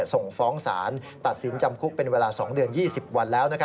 ส่งฟ้องศาลตัดสินจำคุกเป็นเวลา๒เดือน๒๐วันแล้ว